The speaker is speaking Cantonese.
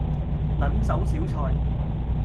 撚手小菜